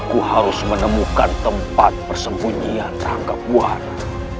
aku harus menemukan tempat persembunyian ranggapwana